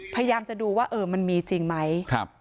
พยายามจะดูว่าเออมันมีจริงไหม